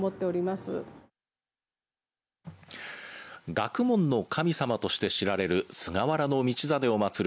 学問の神様として知られる菅原道真を祭る